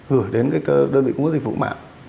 gửi đến đơn vị quốc gia dịch vụ mạng